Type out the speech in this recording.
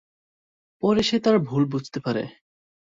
পরে সে তার ভুল বুঝতে পারে।